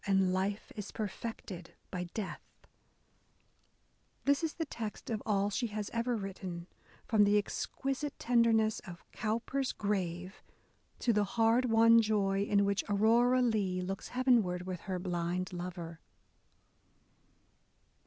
And Life is perfected by Death ! This is the text of all she has ever written, — from the exquisite tenderness of Cowper^s Grave A DAY WITH E. B. BROWNING to the hard won joy in which Aurora Leigh looks heavenward with her blind lover